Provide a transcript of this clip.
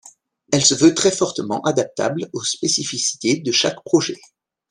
Elle se veut très fortement adaptable aux spécificités de chaque projet.